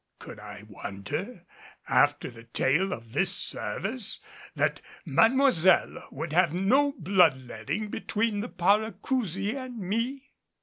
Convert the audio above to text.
Could I wonder after the tale of this service that Mademoiselle would have no blood letting between the Paracousi and me?